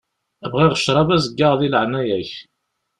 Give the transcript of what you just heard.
Bɣiɣ ccṛab azeggaɣ di leɛnaya-k.